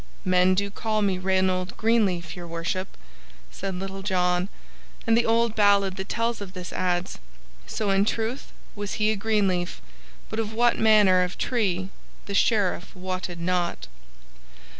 "Men do call me Reynold Greenleaf, Your Worship," said Little John; and the old ballad that tells of this, adds, "So, in truth, was he a green leaf, but of what manner of tree the Sheriff wotted not."